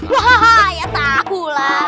wah ya tau lah